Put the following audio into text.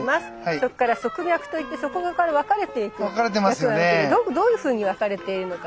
そっから側脈といってそこから分かれていく脈があるけどどういうふうに分かれているのか。